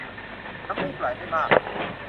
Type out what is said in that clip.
น้ำมูกไหลไม่มาก